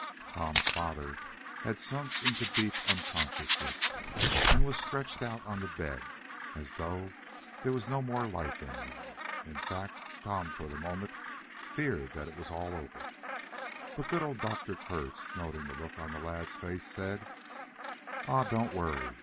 Tom's father had sunk into deep unconsciousness, and was stretched out on the bed as though there was no more life in him. In fact, Tom, for the moment, feared that it was all over. But good old Dr. Kurtz, noting the look on the lad's face, said: "Ach, Dom, doan't vorry!